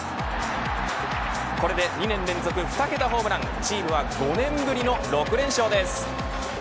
これで２年連続２桁ホームランチームは５年ぶりの６連勝です。